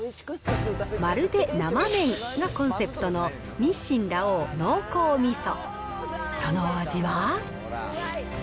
まるで、生めん。がコンセプトの、日清ラ王濃厚味噌。